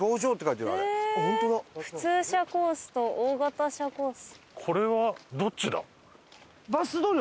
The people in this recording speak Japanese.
「普通車コース」と「大型車コース」。